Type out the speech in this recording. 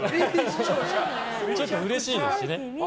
ちょっとうれしいですし。